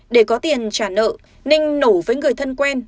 để có tiền trả nợ ninh nổ với người thân quen